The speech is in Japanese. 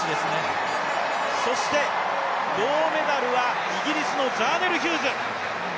そして、銅メダルはイギリスのザーネル・ヒューズ。